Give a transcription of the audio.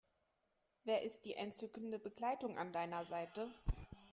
Wer ist die entzückende Begleitung an deiner Seite?